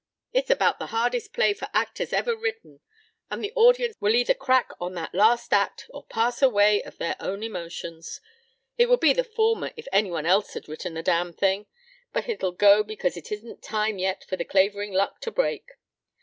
It's about the hardest play for actors ever written and the audience will either crack on that last act or pass away of their own emotions. It would be the former if any one else had written the damn thing, but it'll go because it isn't time yet for the Clavering luck to break.